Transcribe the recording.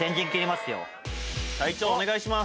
隊長お願いします。